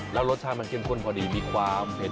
แล้วรสชาติมันเข้มข้นพอดีมีความเผ็ด